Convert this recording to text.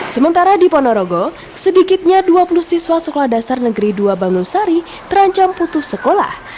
sementara di ponorogo sedikitnya dua puluh siswa sekolah dasar negeri dua bangun sari terancam putus sekolah